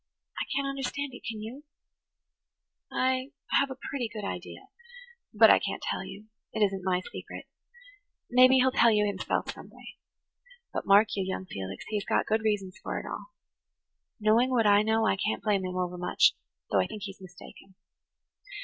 I can't understand it, can you?" [Page 86] "I have a pretty good idea, but I can't tell you. It isn't my secret. Maybe he'll tell you himself some day. But, mark you, young Felix, he has got good reasons for it all. Knowing what I know, I can't blame him over much, though I think he's mistaken.